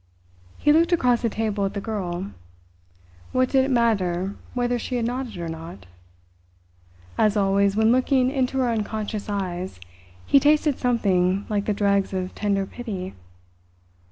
He looked across the table at the girl. What did it matter whether she had nodded or not? As always when looking into her unconscious eyes, he tasted something like the dregs of tender pity.